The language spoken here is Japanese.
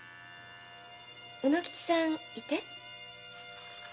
卯之吉さんいて？